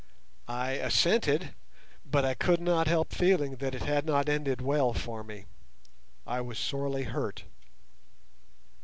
I assented, but I could not help feeling that it had not ended well for me. I was sorely hurt.